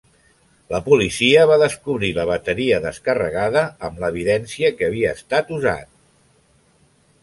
La policia va descobrir la bateria descarregada, amb l'evidència que havia estat usat.